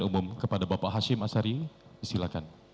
pemilikan umum kepada bapak hashim asyari silakan